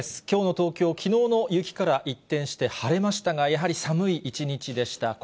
きょうの東京、きのうの雪から一転して晴れましたが、やはり寒い一日でした。